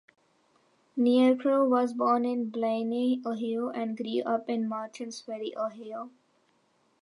Niekro was born in Blaine, Ohio and grew up in Martins Ferry, Ohio.